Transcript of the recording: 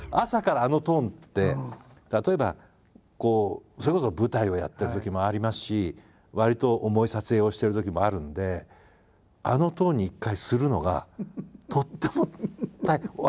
朝からあのトーンって例えばそれこそ舞台をやってるときもありますしわりと重い撮影をしてるときもあるんであのトーンに一回するのがとっても大変。